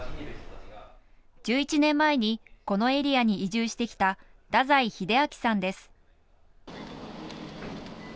１１年前にこのエリアに移住してきた太宰秀章さんです。